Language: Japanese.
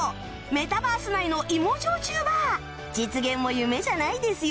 メタバース内の芋焼酎バー実現も夢じゃないですよ